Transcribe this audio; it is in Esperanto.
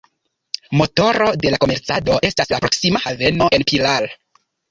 Motoro de la komercado estas la proksima haveno en Pilar.